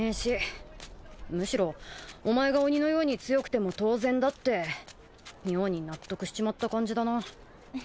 むしろお前が鬼のように強くても当然だって妙に納得しちまった感じだな。